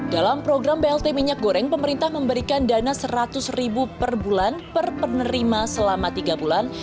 dalam program blt minyak goreng pemerintah memberikan dana rp seratus per bulan per penerima selama tiga bulan